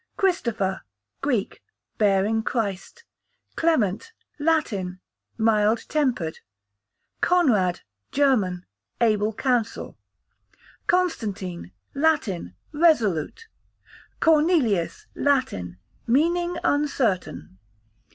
Christopher, Greek, bearing Christ. Clement, Latin, mild tempered. Conrad, German, able counsel. Constantine, Latin, resolute. Cornelius, Latin, meaning uncertain.